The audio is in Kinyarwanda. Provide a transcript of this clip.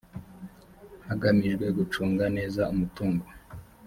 hagamijwe gucunga neza umutungo